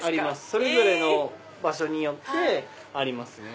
それぞれの場所によってありますね。